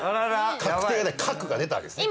確定「確」が出たわけですね。